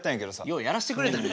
ようやらしてくれたね。